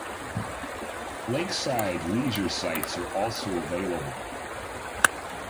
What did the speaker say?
Lakeside leisure sites are also available.